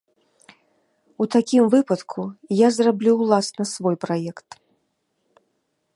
У такім выпадку я зраблю ўласна свой праект.